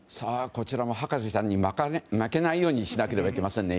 こちらも博士ちゃんに負けないようにしなければいけませんね。